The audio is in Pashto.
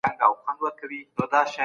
پایله باید په روښانه توګه ووایو.